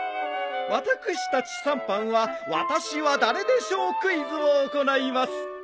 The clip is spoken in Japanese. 私たち３班は「私は誰でしょうクイズ」を行います。